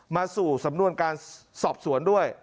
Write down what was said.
มาสู่สำนวนการสอบสวนด้วย